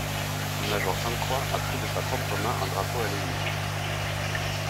Le major Sainte-Croix a pris de sa propre main un drapeau à l'ennemi.